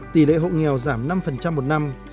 tỷ lệ hộ nghèo giảm năm một năm